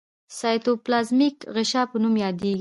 سایټوپلازمیک غشا په نوم یادیږي.